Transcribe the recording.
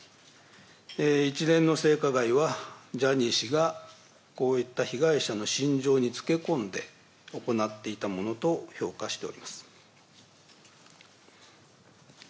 一連の性加害は、ジャニー氏がこういった被害者の心情につけ込んで行っていたものと評価しております。